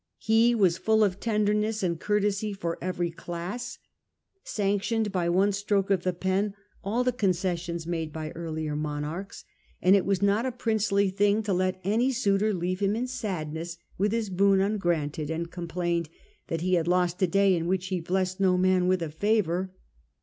He was full of tenderness and courtesy for every courtly class, sanctioned by one stroke of the pen all and libe .. It, 1 rality made the concessions made by earlier monarchs ; him loved said it was not a princely thing to let any suitor leave him in sadness with his boon ungranted, and complained that he had lost a day in which he blest no man with a favour.